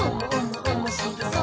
おもしろそう！」